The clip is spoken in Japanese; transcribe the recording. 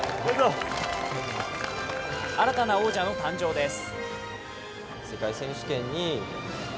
新たな王者の誕生です。